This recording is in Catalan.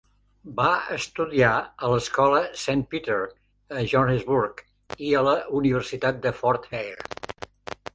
Va estudiar a l'escola Saint Peter a Johannesburg i a la Universitat de Fort Hare.